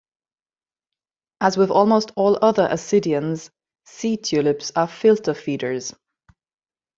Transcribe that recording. As with almost all other ascidians, sea tulips are filter feeders.